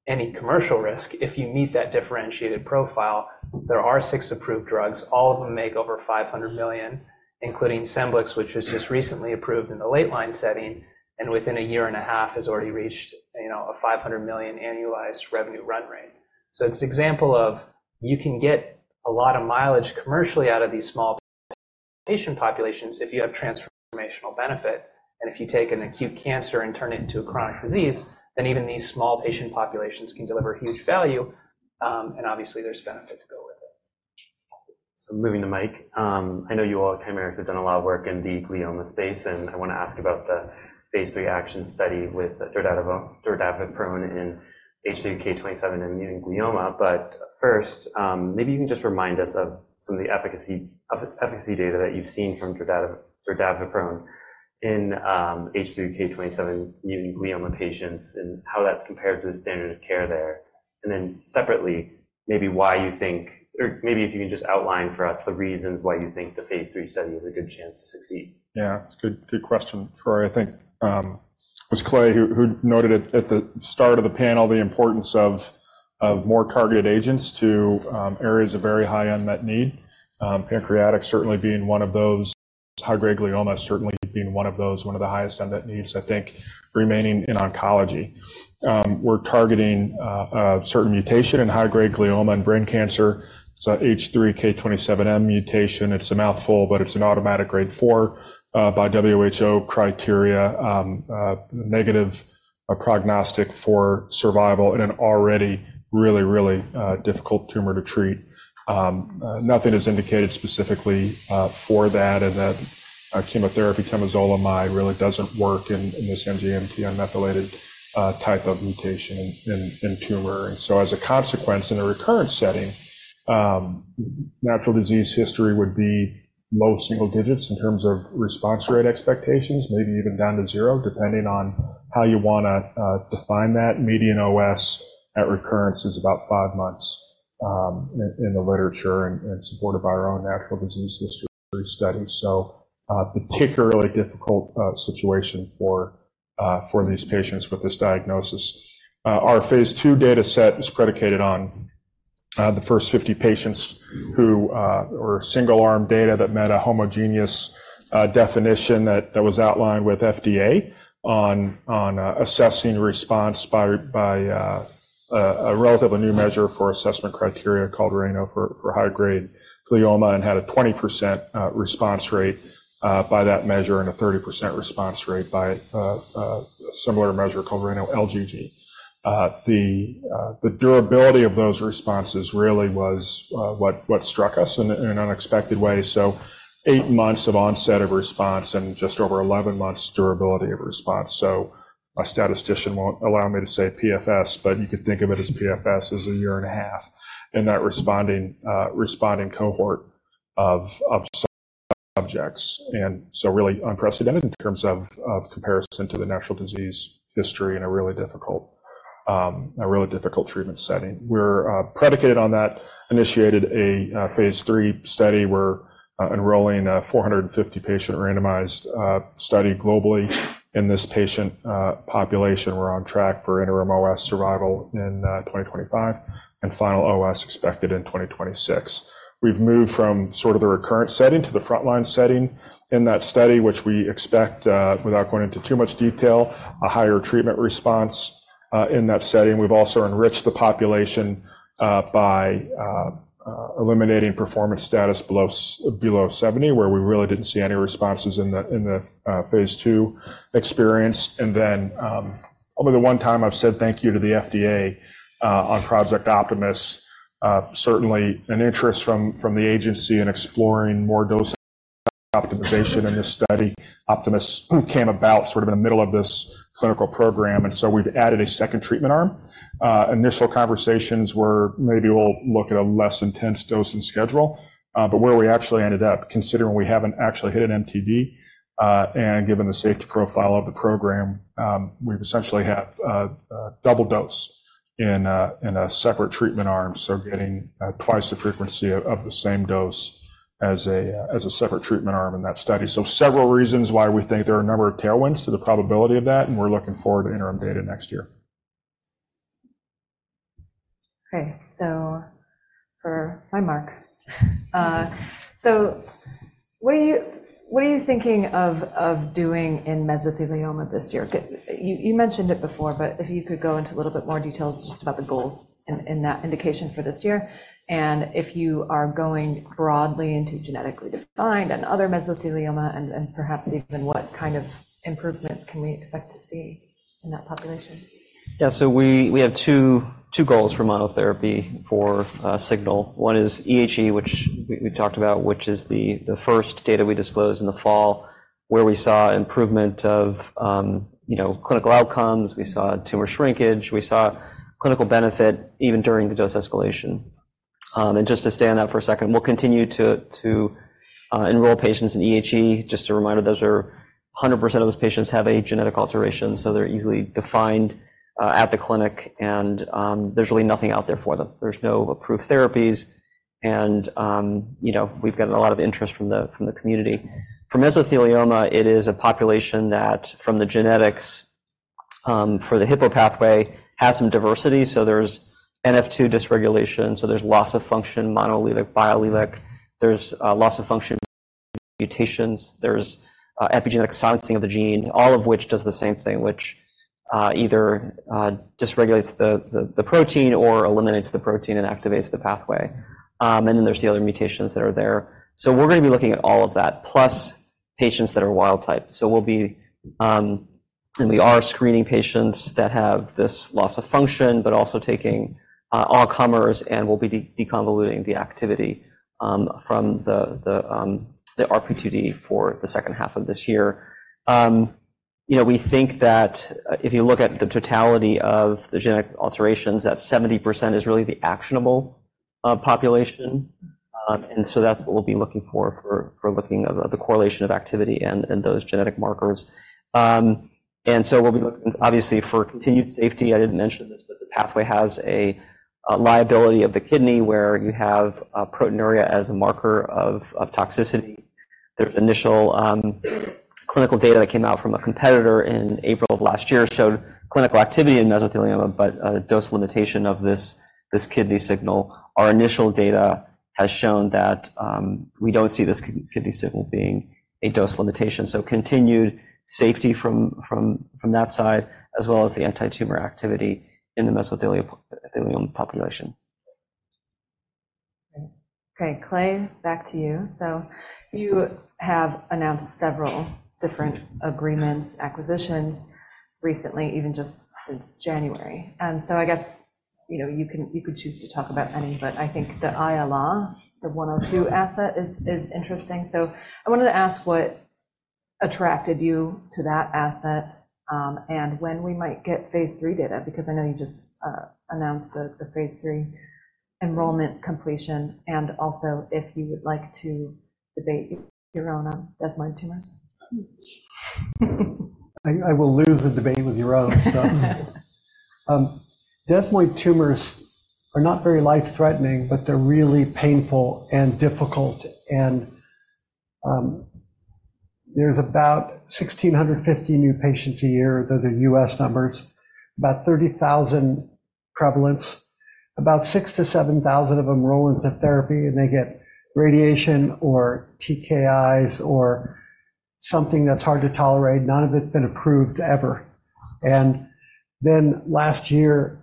S6: any commercial risk if you meet that differentiated profile. There are six approved drugs, all of them make over $500 million, including Scemblix, which was just recently approved in the late line setting, and within a year and a half has already reached, you know, a $500 million annualized revenue run rate. So it's an example of you can get a lot of mileage commercially out of these small patient populations if you have transformational benefit, and if you take an acute cancer and turn it into a chronic disease, then even these small patient populations can deliver huge value, and obviously, there's benefit to go with it.
S2: So moving to Mike, I know you all at Chimerix have done a lot of work in the glioma space, and I want to ask about the phase III ACTION study with the dordaviprone in H3K27M glioma. But first, maybe you can just remind us of some of the efficacy data that you've seen from dordaviprone in H3K27M glioma patients and how that's compared to the standard of care there. And then separately, maybe why you think... or maybe if you can just outline for us the reasons why you think the phase III study is a good chance to succeed.
S3: Yeah, it's a good, good question, Troy. I think it was Clay who noted at the start of the panel the importance of more targeted agents to areas of very high unmet need, pancreatic certainly being one of those, high-grade glioma certainly being one of those, one of the highest unmet needs, I think, remaining in oncology. We're targeting a certain mutation in high-grade glioma and brain cancer. It's a H3K27M mutation. It's a mouthful, but it's an automatic grade four by WHO criteria, negative, a prognostic for survival in an already really, really difficult tumor to treat. Nothing is indicated specifically for that, and that chemotherapy temozolomide really doesn't work in this MGMT unmethylated type of mutation in tumor. And so as a consequence, in a recurrent setting, natural disease history would be low single digits in terms of response rate expectations, maybe even down to zero, depending on how you want to define that. Maybe on OS at recurrence is about five months in the literature and supported by our own natural disease history study. So a particularly difficult situation for these patients with this diagnosis. Our phase II data set is predicated on the first 50 patients or single-arm data that met a homogeneous definition that was outlined with FDA on assessing response by a relatively new measure for assessment criteria called RANO for high-grade glioma, and had a 20% response rate by that measure, and a 30% response rate by a similar measure called RANO-LGG. The durability of those responses really was what struck us in an unexpected way. So eight months of onset of response and just over 11 months durability of response. So a statistician won't allow me to say PFS, but you could think of it as PFS as a year and a half in that responding cohort of subjects. And so really unprecedented in terms of comparison to the natural disease history in a really difficult treatment setting. We're predicated on that, initiated a phase III study. We're enrolling a 450-patient randomized study globally in this patient population. We're on track for interim OS survival in 2025, and final OS expected in 2026. We've moved from sort of the recurrent setting to the frontline setting in that study, which we expect, without going into too much detail, a higher treatment response, in that setting. We've also enriched the population, by, eliminating performance status below 70, where we really didn't see any responses in the, in the, phase II experience. And then, only the one time I've said thank you to the FDA, on Project Optimus, certainly an interest from, from the agency in exploring more dose optimization in this study. Optimus came about sort of in the middle of this clinical program, and so we've added a second treatment arm. Initial conversations were maybe we'll look at a less intense dosing schedule, but where we actually ended up, considering we haven't actually hit an MTD, and given the safety profile of the program, we essentially have a double dose in a separate treatment arm. So getting twice the frequency of the same dose as a separate treatment arm in that study. So several reasons why we think there are a number of tailwinds to the probability of that, and we're looking forward to interim data next year.
S1: Okay, so Hi, Mark. So what are you thinking of doing in mesothelioma this year? You mentioned it before, but if you could go into a little bit more details just about the goals in that indication for this year, and if you are going broadly into genetically defined and other mesothelioma and perhaps even what kind of improvements can we expect to see in that population?
S4: Yeah. So we have two goals for monotherapy for signal. One is EHE, which we talked about, which is the first data we disclosed in the fall, where we saw improvement of, you know, clinical outcomes. We saw tumor shrinkage. We saw clinical benefit even during the dose escalation. And just to stay on that for a second, we'll continue to enroll patients in EHE. Just a reminder, those are 100% of those patients have a genetic alteration, so they're easily defined at the clinic, and there's really nothing out there for them. There's no approved therapies, and you know, we've gotten a lot of interest from the community. For mesothelioma, it is a population that, from the genetics, for the Hippo pathway, has some diversity, so there's NF2 dysregulation, so there's loss of function, monoallelic, biallelic. There's loss of function mutations. There's epigenetic silencing of the gene, all of which does the same thing, which either dysregulates the protein or eliminates the protein and activates the pathway. And then there's the other mutations that are there. So we're going to be looking at all of that, plus patients that are wild type. So we'll be and we are screening patients that have this loss of function, but also taking all comers, and we'll be deconvoluting the activity from the RP2D for the second half of this year. You know, we think that, if you look at the totality of the genetic alterations, that 70% is really the actionable population. And so that's what we'll be looking for, for looking at the correlation of activity and those genetic markers. And so we'll be looking obviously for continued safety. I didn't mention this, but the pathway has a liability of the kidney, where you have proteinuria as a marker of toxicity. The initial clinical data that came out from a competitor in April of last year showed clinical activity in mesothelioma, but dose limitation of this kidney signal. Our initial data has shown that we don't see this kidney signal being a dose limitation. So continued safety from that side, as well as the anti-tumor activity in the mesothelioma population.
S9: Okay, Clay, back to you. So you have announced several different agreements, acquisitions recently, even just since January. So I guess, you know, you could choose to talk about any, but I think the AL102 asset is, is interesting. So I wanted to ask what attracted you to that asset, and when we might get phase III data? Because I know you just announced the phase III enrollment completion, and also if you would like to debate Yaron desmoid tumors.
S5: I, I will lose the debate with Yaron. Desmoid tumors are not very life-threatening, but they're really painful and difficult. There's about 1,650 new patients a year. They're the U.S. numbers. About 30,000 prevalence, about 6,000-7,000 of them roll into therapy, and they get radiation or TKIs or something that's hard to tolerate. None of it's been approved ever, and then last year,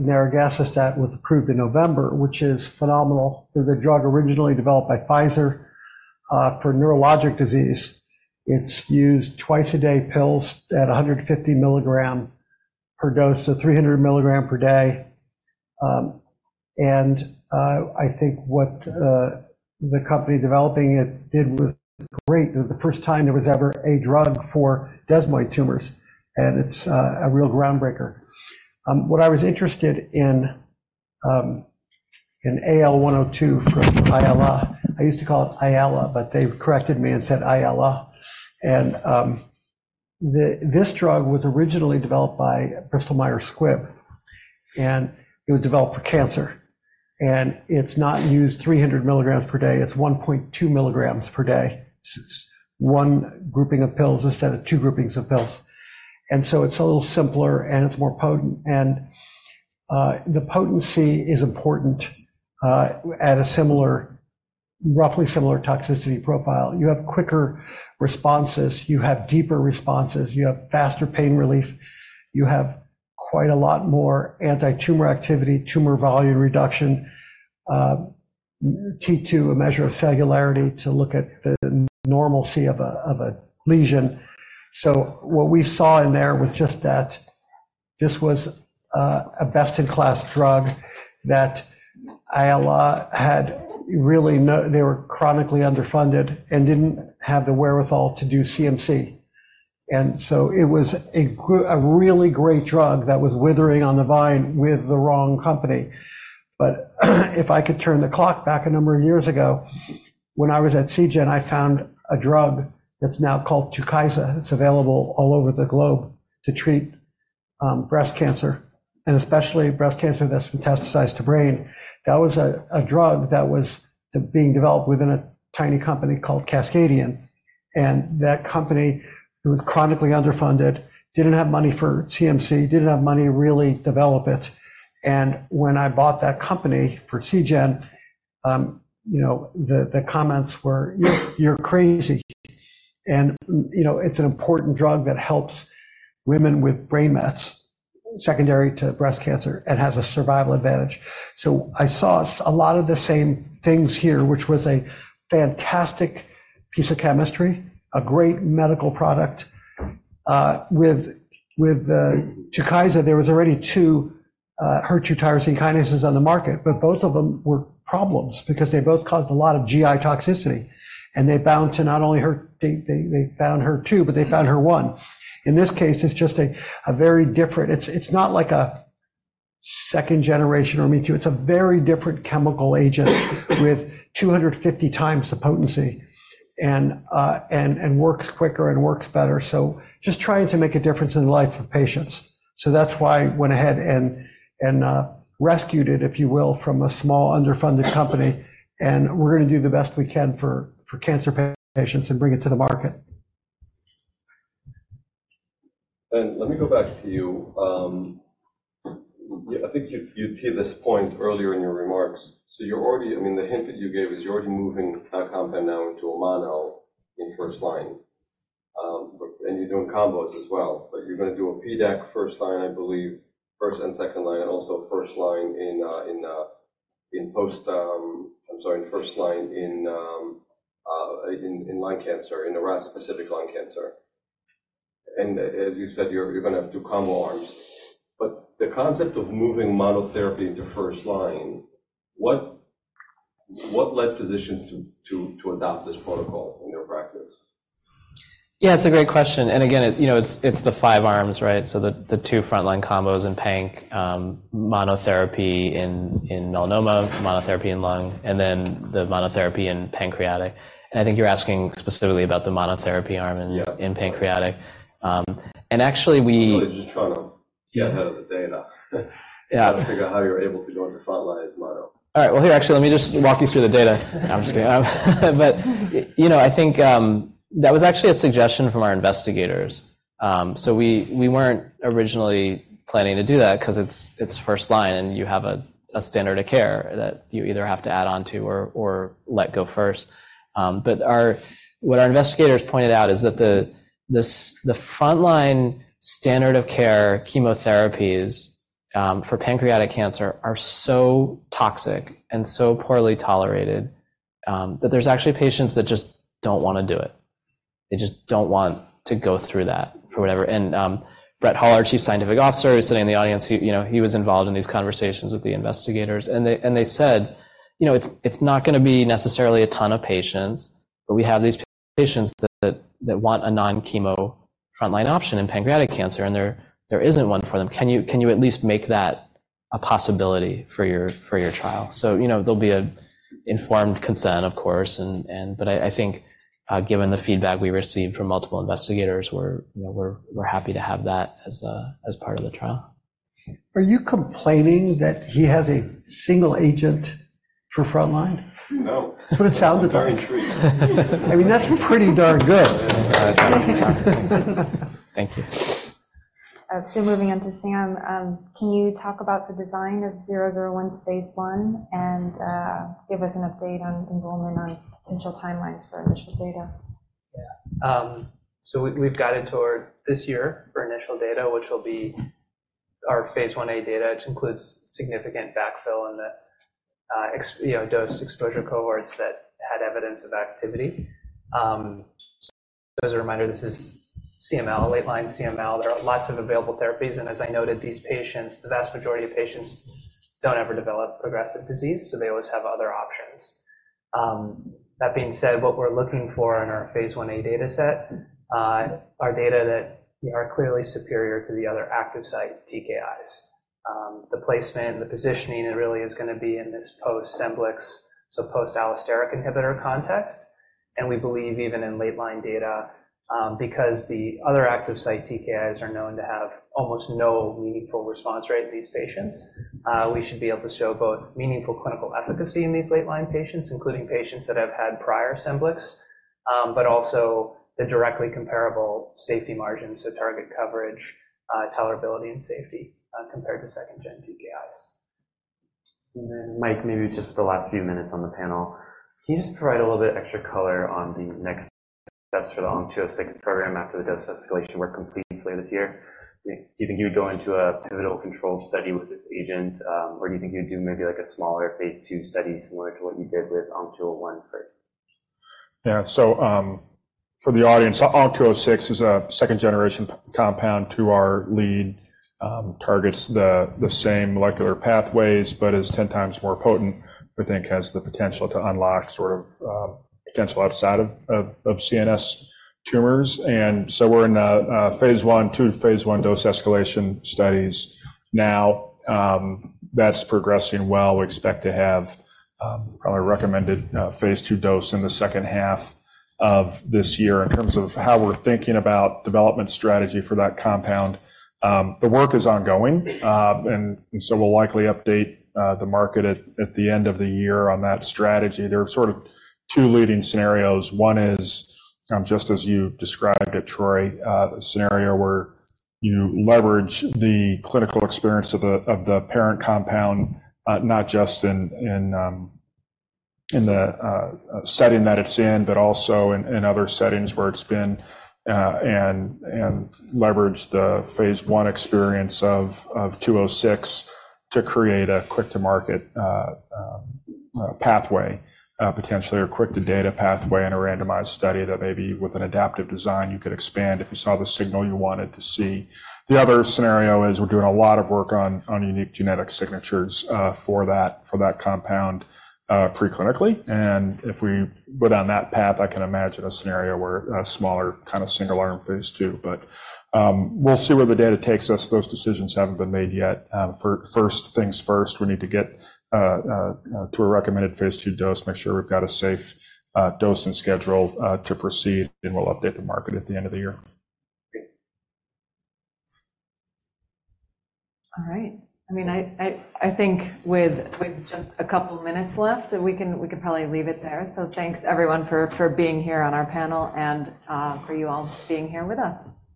S5: nirogacestat was approved in November, which is phenomenal. They're the drug originally developed by Pfizer, for neurologic disease. It's used twice-a-day pills at 150 milligram per dose, so 300 milligram per day. I think what the company developing it did was great. The first time there was ever a drug for desmoid tumors, and it's a real groundbreaker. What I was interested in, in AL102 from Ayala, I used to call it Ayala, but they corrected me and said, Ayala. This drug was originally developed by Bristol Myers Squibb, and it was developed for cancer, and it's not used 300 milligrams per day, it's 1.2 mg per day. So it's one grouping of pills instead of two groupings of pills, and so it's a little simpler, and it's more potent. The potency is important, at a similar, roughly similar toxicity profile. You have quicker responses, you have deeper responses, you have faster pain relief, you have quite a lot more anti-tumor activity, tumor volume reduction, T2, a measure of cellularity to look at the normalcy of a, of a lesion. So what we saw in there was just that this was a best-in-class drug that Ayala had really no... They were chronically underfunded and didn't have the wherewithal to do CMC, and so it was a really great drug that was withering on the vine with the wrong company. But if I could turn the clock back a number of years ago, when I was at Seagen, I found a drug that's now called Tukysa. It's available all over the globe to treat breast cancer, and especially breast cancer that's metastasized to brain. That was a drug that was being developed within a tiny company called Cascadian, and that company was chronically underfunded, didn't have money for CMC, didn't have money to really develop it. When I bought that company for Seagen, you know, the comments were, "You're crazy." You know, it's an important drug that helps women with brain mets, secondary to breast cancer, and has a survival advantage. So I saw a lot of the same things here, which was a fantastic piece of chemistry, a great medical product. With Tukysa, there was already two HER2 tyrosine kinases on the market, but both of them were problems because they both caused a lot of GI toxicity, and they bound to not only HER2, but they bound HER1. In this case, it's just a very different. It's not like a second generation or me too, it's a very different chemical agent with 250 times the potency and works quicker and works better. So just trying to make a difference in the life of patients. So that's why I went ahead and rescued it, if you will, from a small, underfunded company, and we're gonna do the best we can for cancer patients and bring it to the market.
S2: Ben, let me go back to you. I think you teed this point earlier in your remarks. So you're already—I mean, the hint that you gave is you're already moving compound now into a mono in first line, but—and you're doing combos as well, but you're gonna do a PDAC first line, I believe, first and second line, and also first line in, I'm sorry, first line in lung cancer, in a RAS specific lung cancer. And as you said, you're gonna have to do combo arms. But the concept of moving monotherapy into first line, what led physicians to adopt this protocol in their practice?
S7: Yeah, it's a great question. And again, you know, it's the five arms, right? So the two frontline combos in panc, monotherapy in melanoma, monotherapy in lung, and then the monotherapy in pancreatic. And I think you're asking specifically about the monotherapy arm in pancreatic. And actually we-
S2: I was just trying to get ahead of the data.
S7: Yeah.
S2: Try to figure out how you're able to go into front line as mono?
S7: All right. Well, here, actually, let me just walk you through the data. I'm just kidding. But, you know, I think, that was actually a suggestion from our investigators. So we weren't originally planning to do that 'cause it's first line, and you have a standard of care that you either have to add on to or let go first. But what our investigators pointed out is that the frontline standard of care chemotherapies for pancreatic cancer are so toxic and so poorly tolerated that there's actually patients that just don't wanna do it. They just don't want to go through that for whatever. And Brett Hall, our Chief Scientific Officer, who's sitting in the audience, he, you know, he was involved in these conversations with the investigators, and they said. You know, it's not gonna be necessarily a ton of patients, but we have these patients that want a non-chemo frontline option in pancreatic cancer, and there isn't one for them. Can you at least make that a possibility for your trial? So, you know, there'll be an informed consent, of course, and but I think, given the feedback we received from multiple investigators, we're, you know, we're happy to have that as part of the trial.
S5: Are you complaining that he has a single agent for frontline?
S7: No.
S5: For the childhood.
S7: Very intrigued.
S5: I mean, that's pretty darn good.
S7: Thank you.
S9: Moving on to Sam, can you talk about the design of ELVN-001 phase I, and give us an update on enrollment on potential timelines for initial data?
S6: Yeah. So we, we've guided toward this year for initial data, which will be our phase I-A data, which includes significant backfill in the, you know, dose exposure cohorts that had evidence of activity. So as a reminder, this is CML, late line CML. There are lots of available therapies and as I noted, these patients, the vast majority of patients don't ever develop progressive disease, so they always have other options. That being said, what we're looking for in our phase I-A data set, are data that are clearly superior to the other active site TKIs. The placement, the positioning, it really is gonna be in this post-Scemblix, so post-allosteric inhibitor context, and we believe even in late line data, because the other active site TKIs are known to have almost no meaningful response rate in these patients. We should be able to show both meaningful clinical efficacy in these late line patients, including patients that have had prior Scemblix, but also the directly comparable safety margins, so target coverage, tolerability, and safety, compared to second gen TKIs.
S2: Then, Mike, maybe just the last few minutes on the panel, can you just provide a little bit extra color on the next steps for the ONC206 program after the dose escalation work completes late this year? Do you think you would go into a pivotal controlled study with this agent, or do you think you'd do maybe like a smaller phase II study, similar to what you did with ONC201 first?
S3: Yeah. So, for the audience, ONC206 is a second generation compound to our lead, targets the same molecular pathways, but is 10 times more potent. We think has the potential to unlock sort of potential outside of CNS tumors. And so we're in a phase I/II, phase I dose escalation studies now. That's progressing well. We expect to have probably recommended phase II dose in the second half of this year. In terms of how we're thinking about development strategy for that compound, the work is ongoing, and so we'll likely update the market at the end of the year on that strategy. There are sort of two leading scenarios. One is, just as you described it Troy, the scenario where you leverage the clinical experience of the parent compound, not just in the setting that it's in, but also in other settings where it's been, and leverage the phase I experience of 206 to create a quick to market pathway, potentially, or quick to data pathway in a randomized study that maybe with an adaptive design, you could expand if you saw the signal you wanted to see. The other scenario is we're doing a lot of work on unique genetic signatures for that compound, pre-clinically. And if we went down that path, I can imagine a scenario where a smaller kind of single arm phase II, but we'll see where the data takes us. Those decisions haven't been made yet. First things first, we need to get to a recommended phase II dose, make sure we've got a safe dose and schedule to proceed, and we'll update the market at the end of the year.
S2: Okay.
S1: All right. I mean, I think with just a couple of minutes left, that we can probably leave it there. So thanks, everyone, for being here on our panel and for you all being here with us.